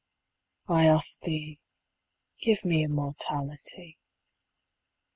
I ask'd thee, 'Give me immortality.'